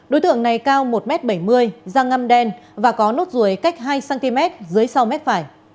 đối tượng này cao một m bảy mươi da ngâm đen và có nốt ruồi cách hai cm dưới sau mép phải